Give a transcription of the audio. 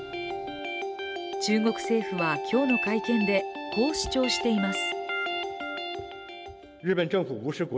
中国政府は、今日の会見でこう主張しています。